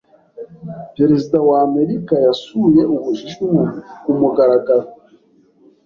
Perezida wa Amerika yasuye Ubushinwa ku mugaragaro.